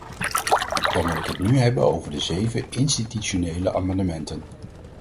Dan wil ik het nu hebben over de zeven institutionele amendementen.